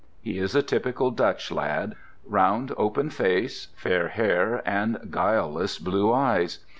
He is a typical Dutch lad—round, open face, fair hair, and guileless blue eyes.